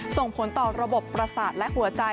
ส่งผลต่อระบบประสาทและหัวใจ